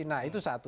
nah itu satu